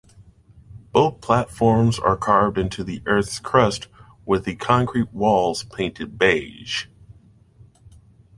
Both platforms are carved into the Earth's crust with the concrete walls painted beige.